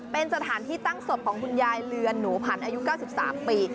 เป็นสถานที่ตั้งศพของคุณยายเรือนหนูผันอายุ๙๓ปี